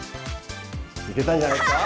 いけたんじゃないですか？